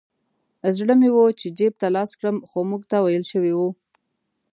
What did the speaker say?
زړه مې و چې جیب ته لاس کړم خو موږ ته ویل شوي وو.